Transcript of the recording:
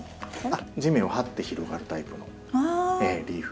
地面をはって広がるタイプのリーフ。